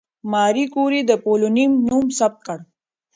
ماري کوري د پولونیم نوم ثبت کړ.